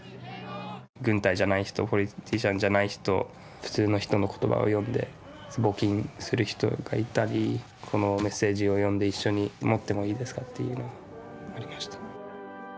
軍隊じゃない人ポリティシャンじゃない人普通の人の言葉を読んで募金する人がいたりこのメッセージを読んで一緒に持ってもいいですか？っていうようなありました。